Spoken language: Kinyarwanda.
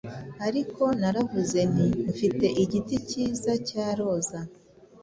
Ariko naravuze nti 'Mfite igiti cyiza cya roza